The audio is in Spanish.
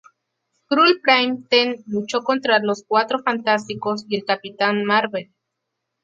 Skrull Prime Ten luchó contra los Cuatro Fantásticos y el Capitán Mar-Vell.